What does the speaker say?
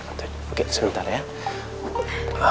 tante dewi gak apa apa